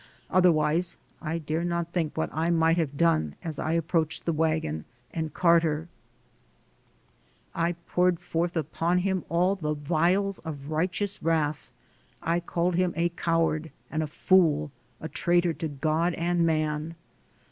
Other wise, I dare not think what I might have done as I 128 THE SOUL OF AN IMMIGRANT approached the wagon and Carter. I poured forth upon him all the vials of righteous wrath; I called him a coward and a fool, a traitor to God and man.